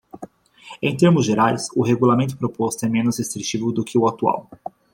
Em termos gerais, o regulamento proposto é menos restritivo do que o atual.